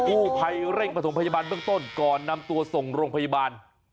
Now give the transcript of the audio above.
กู้ภัยเร่งประถมพยาบาลเบื้องต้นก่อนนำตัวส่งโรงพยาบาล